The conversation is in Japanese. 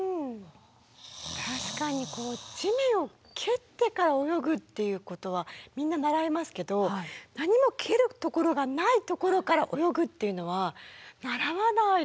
確かに地面を蹴ってから泳ぐっていうことはみんな習いますけど何も蹴るところがないところから泳ぐっていうのは習わないですよね。